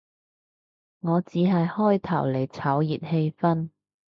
我只係開頭嚟炒熱氣氛